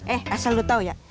eh asal lo tau ya